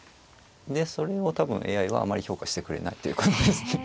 でそれを多分ＡＩはあまり評価してくれないっていうことですね。